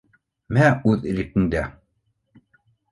— Мә, үҙ иркеңдә